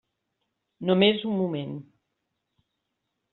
Només un moment.